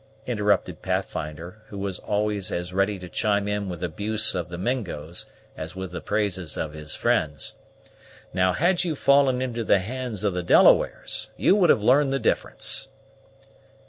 interrupted Pathfinder, who was always as ready to chime in with abuse of the Mingos as with the praises of his friends. "Now, had you fallen into the hands of the Delawares, you would have learned the difference."